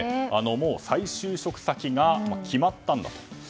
もう再就職先が決まったんだと。